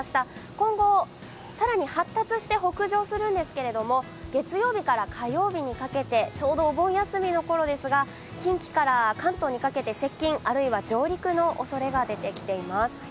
今後、更に発達して北上するんですけれども月曜日から火曜日にかけて、ちょうどお盆休みのころですが、近畿から関東にかけて接近あるいは上陸のおそれが出てきています。